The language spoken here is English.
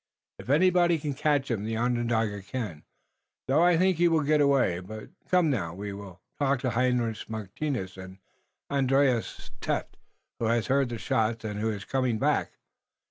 "If anybody can catch him the Onondaga can, though I think he will get away. But come now, we will talk to Hendrik Martinus und Andrius Tefft who hass heard the shots und who iss coming back.